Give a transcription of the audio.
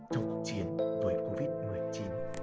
trong cuộc chiến với covid một mươi chín